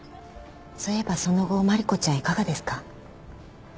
そういえばその後万理子ちゃんいかがですか？